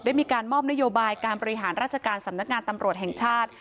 มีการมอบนโยบายการบริหารราชการสำนักงานตำรวจแห่งชาติ